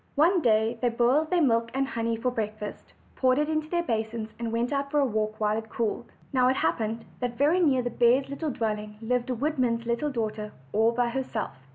One day they boiled their milk and honey for break fast, poured it into their basins, and went out for a walk while it cooled. Now it happened that very near the bears' dwelling lived a woodman's little daughter, all by herself.